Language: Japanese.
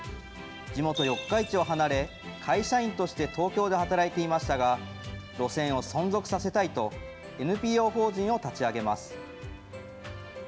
地元、四日市を離れ、会社員として東京で働いていましたが、路線を存続させたいと、ＮＰＯ法人を立ち上げます。